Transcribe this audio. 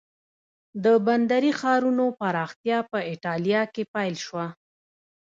د بندري ښارونو پراختیا په ایټالیا کې پیل شوه.